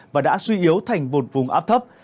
và đã suy yếu thành vùng áp thấp